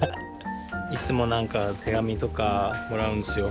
いつも何か手紙とかもらうんですよ。